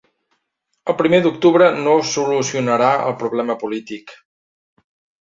El primer d’octubre no solucionarà el problema polític.